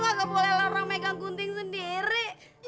gak boleh larang megang gunting sendiri